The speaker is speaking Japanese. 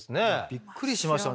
びっくりしましたね。